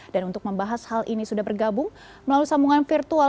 dan untuk membahas hal ini sudah bergabung melalui sambungan virtual